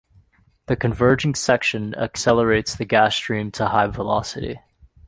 The converging section accelerates the gas stream to high velocity.